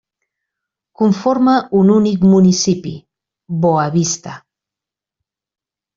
Conforma un únic municipi, Boa Vista.